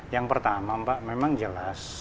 yang pertama mbak memang jelas